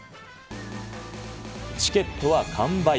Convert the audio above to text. チケットは完売。